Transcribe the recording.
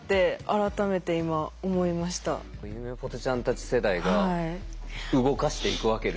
ゆめぽてちゃんたち世代が動かしていくわけですよ。